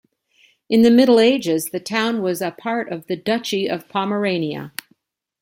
In the Middle Ages the town was a part of the Duchy of Pomerania.